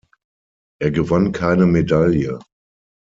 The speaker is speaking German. Er gewann keine Medaille.